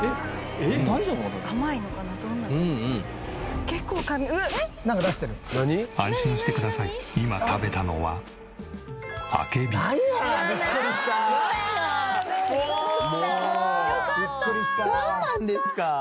なんなんですか！